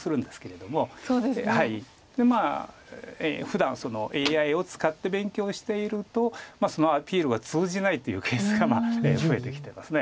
ふだんＡＩを使って勉強しているとそのアピールが通じないというケースが増えてきてます。